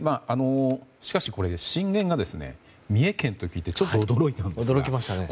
しかし、これ震源が三重県と聞いてちょっと驚いたんですね。